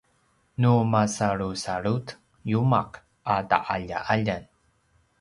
nu masalusalut yuma’ a ta’alja’aljan